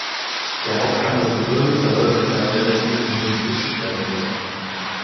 Der Hauptkamm des Gebirges verläuft entlang der westlichen Distriktgrenze.